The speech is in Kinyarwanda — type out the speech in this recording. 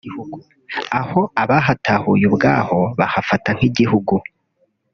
aho abahatuye ubwaho bahafata nk’igihugu